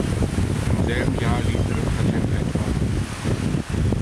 Im selben Jahr ließ er das Patent eintragen.